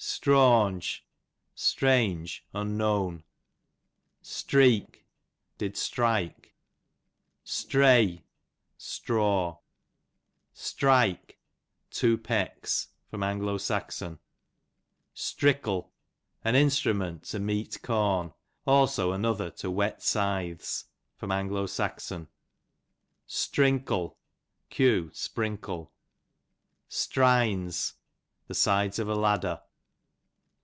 Strawnge, strange, unknown. Streek, did strike. Strey, straw. Strike, two pecks. A. S. Strickle, an instrument to mete corn ; also ariother to whet scythes. A. S. Strinkle, q. sprinkle. Strines, the sides of a ladder.